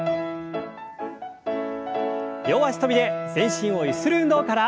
両脚跳びで全身をゆする運動から。